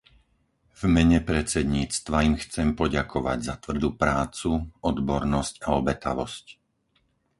V mene predsedníctva im chcem poďakovať za tvrdú prácu, odbornosť a obetavosť.